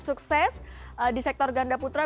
sukses di sektor gandaputra